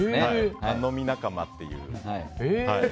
飲み仲間っていう。